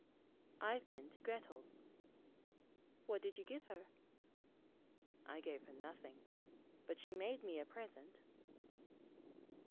'I've been to Grettel's.' 'What did you give her?' 'I gave her nothing. But she made me a present.'